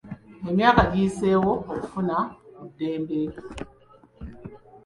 Emyaka giyiseewo okufuna ku ddembe.